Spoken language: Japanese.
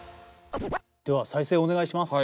では再生お願いします！